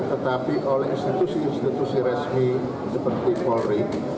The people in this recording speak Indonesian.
tetapi oleh institusi institusi resmi seperti polri